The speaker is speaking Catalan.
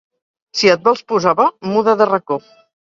Si et vols posar bo muda de racó.